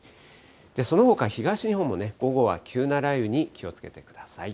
そのほか東日本もね、午後は急な雷雨に気をつけてください。